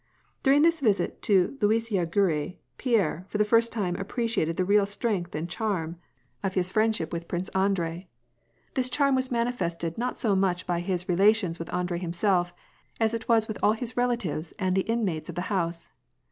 During this visit to Luisiya Gorui, Pierre for the first time appreciated the real strength and charm of his friendship wiUi WAR AND PEACE. 125 Prince Andrei. This charm was manifested not so much by his relations with Andrei himself, as it was with all his relar tives and the inmates of the house.